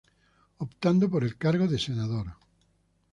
Optando por el cargo de Senador.